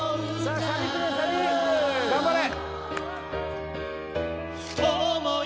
あサビくるサビ頑張れ